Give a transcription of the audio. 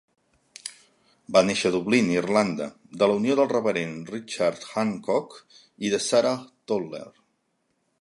Va néixer a Dublín, Irlanda, de la unió del reverend Richard Handcock i de Sarah Toler.